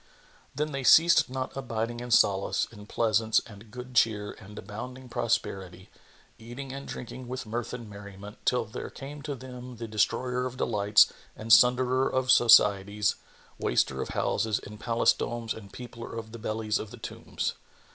Then they ceased not abiding in solace and pleasance and good cheer and abounding prosperity, eating and drinking with mirth and merriment, till there came to them the Destroyer of delights and Sunderer of societies, Waster of houses and palace domes and Peopler of the bellies of the tombs.